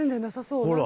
ほら。